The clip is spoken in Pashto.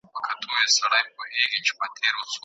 هغه به ټول ملکونه لیدلي وي.